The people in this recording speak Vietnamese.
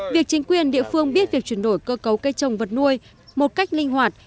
việc chính quyền địa phương biết việc chuyển đổi cơ cấu cây trồng vật nuôi một cách linh hoạt